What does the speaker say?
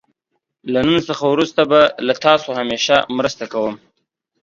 له نن څخه وروسته به له تاسو همېشه مرسته کوم.